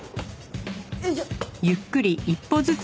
よいしょ。